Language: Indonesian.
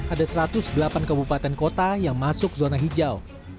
ada satu ratus delapan kabupaten kota yang masuk zona hijau